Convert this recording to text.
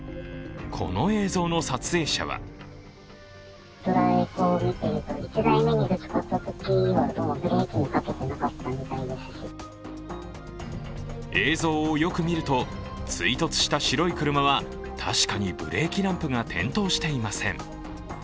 この映像の撮影者は映像をよく見ると追突した白い車は確かにブレーキランプが点灯していません。